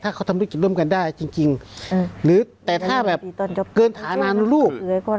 ถ้าเขาทำธุรกิจร่วมกันได้จริงหรือแต่ถ้าแบบเกินฐานานุรูป